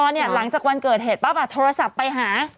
แล้วเนี่ยหลังจากวันเกิดเห็นป้าบาทโทรศัพท์ไปหา